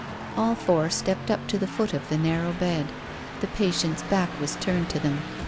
All four stepped up to the foot of the narrow bed. The patient's back was turned to them.